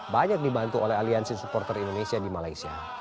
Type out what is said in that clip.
banyak dibantu oleh aliansi supporter indonesia di malaysia